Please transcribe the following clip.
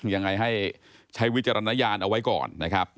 ยังไงให้ใช้วิจารณญาณเอาไว้ก่อนนะครับ